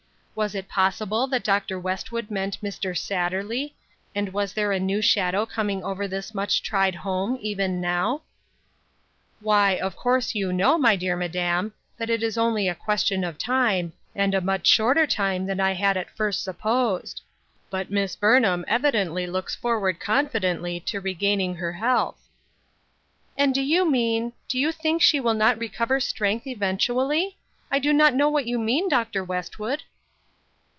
Was it possible that Dr. Westwood meant Mr. Satterley, and was there a new shadow coming over this much tried home, even now ?" Why, of course you know, my dear madam, that it is only a question of time, and a much shorter time than I had at first supposed ; but Miss Burnham evidently looks forward confidently to regaining her health." "And do you mean — do you think she will not recover strength eventually ? I do not know what you mean, Dr. Westwood